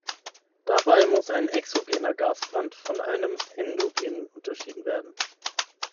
Dabei muss ein exogener Gasbrand von einem endogenen unterschieden werden.